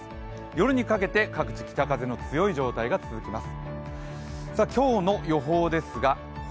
夜にかけて各地、北風の強い状態が続きます。